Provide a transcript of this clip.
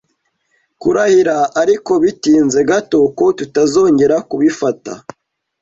Kurahira ariko bitinze gato ko tutazongera kubifata